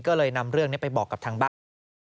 ก็เลยนำเรื่องนี้ไปบอกกับทางบ้าน